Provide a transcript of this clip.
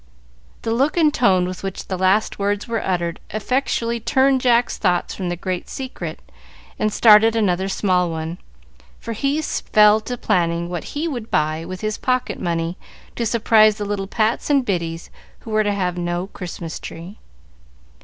The look and tone with which the last words were uttered effectually turned Jack's thoughts from the great secret, and started another small one, for he fell to planning what he would buy with his pocket money to surprise the little Pats and Biddies who were to have no Christmas tree.